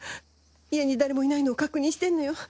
家に誰もいないのを確認してるのよ。